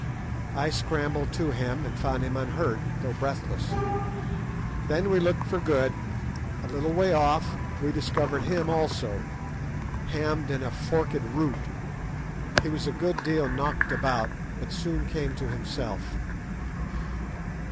I scrambled to him, and found him unhurt, though breathless. Then we looked for Good. A little way off we discovered him also, hammed in a forked root. He was a good deal knocked about, but soon came to himself.